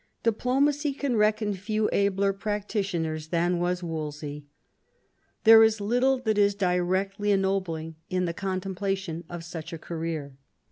Diplomacy can reckon few abler practitioners than was Wolsey. There is little that is directly ennobling in the con templation of such a career.